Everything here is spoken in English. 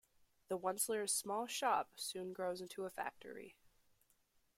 The Once-ler's small shop soon grows into a factory.